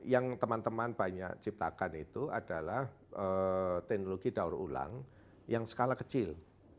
yang teman teman banyak ciptakan itu adalah teknologi daur ulang yang skala kecil